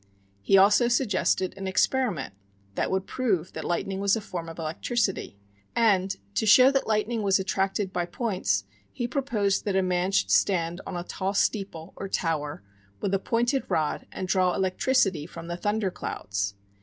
He also suggested an experiment that would prove that lightning was a form of electricity; and to show that lightning was attracted by points he proposed that a man should stand on a tall steeple, or tower, with a pointed rod and draw electricity from the thunder clouds.